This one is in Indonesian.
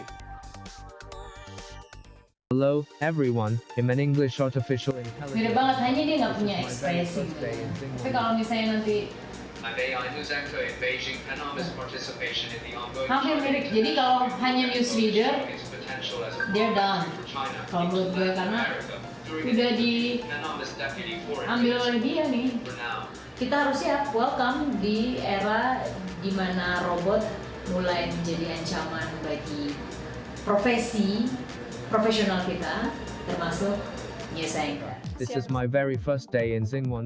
tidak dia sudah selesai karena sudah diambil oleh dia nih kita harus siap selamat datang di era di mana robot mulai menjadi ancaman bagi profesi profesional kita termasuk yes anchor